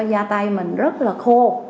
da tay mình rất là khô